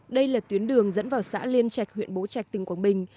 đây là tuyến đường dẫn vào xã liên trạch huyện bố trạch tỉnh quảng bình